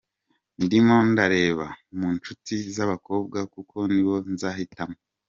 Ndimo ndareba mu nshuti z’abakobwa kuko nibo nzahitamo.